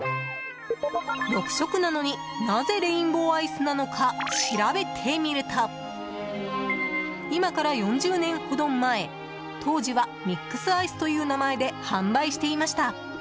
６色なのになぜレインボーアイスなのか調べてみると今から４０年ほど前当時はミックスアイスという名前で販売していました。